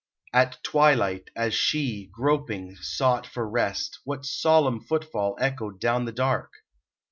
At twilight, as she, groping, sought for rest, What solemn footfall echoed down the dark?